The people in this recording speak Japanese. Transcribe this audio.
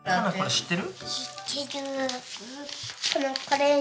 知ってる。